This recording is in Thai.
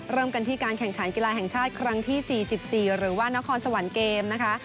เริ่มกันที่การแข่งขันกีฬาแห่งชาติครั้งที่๔๔หรือว่านครสวรรค์เกมนะคะ